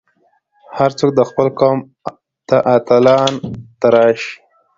هر څوک خپل قوم ته اتلان تراشي.